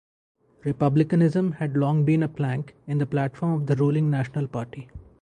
Republicanism had long been a plank in the platform of the ruling National Party.